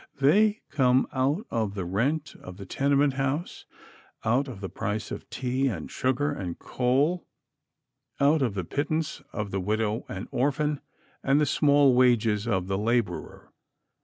They come out of the rent of the tenement house; out of the price of tea and sugar and coal; out of the pittance of the widow and orphan, and the small wages of the laborer.